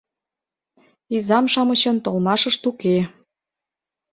Изам-шамычын толмашышт уке.